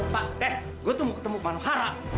pak eh gue tuh mau ketemu manuhara